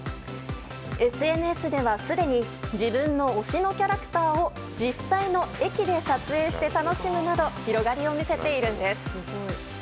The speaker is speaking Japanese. ＳＮＳでは、すでに自分の推しのキャラクターを実際の駅で撮影して楽しむなど広がりを見せているんです。